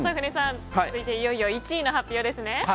いよいよ１位の発表ですね。